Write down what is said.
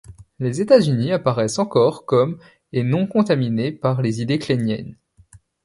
Les États-Unis apparaissent encore comme et non contaminé par les idées kleiniennes.